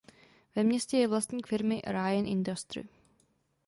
Ve městě je vlastníkem firmy Ryan Industry.